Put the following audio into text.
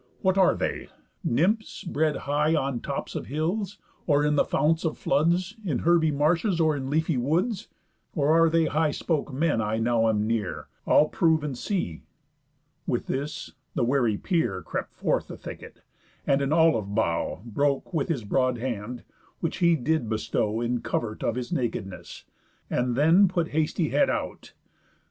What are they? Nymphs bred high On tops of hills, or in the founts of floods, In herby marshes, or in leafy woods? Or are they high spoke men I now am near? I'll prove, and see." With this, the wary peer Crept forth the thicket, and an olive bough Broke with his broad hand, which he did bestow In covert of his nakedness, and then Put hasty head out.